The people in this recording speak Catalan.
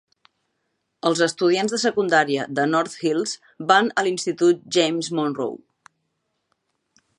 Els estudiants de secundària de North Hills van a l'institut James Monroe.